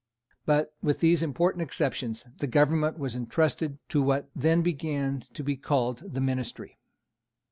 But, with these important exceptions, the government was entrusted to what then began to be called the Ministry.